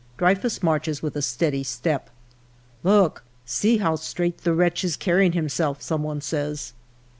" Dreyfus marches with a steady step. "' Look, see how straight the wretch is carrying him self,' some one says.